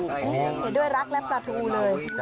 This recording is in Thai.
โอ้โหเดี๋ยวด้วยรักและปลาทูเลย